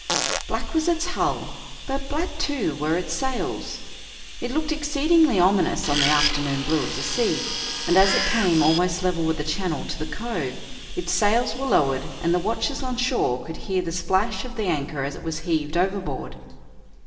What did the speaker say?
Black was its hull, but black too were its sails. It looked exceedingly ominous on the afternoon blue of the sea, and as it came almost level with the channel to the cove, its sails were lowered and the watchers on shore could hear the splash of the anchor as it was heaved overboard.